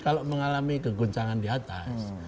kalau mengalami keguncangan di atas